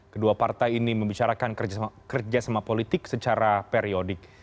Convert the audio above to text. kedua partai ini membicarakan kerjasama politik secara periodik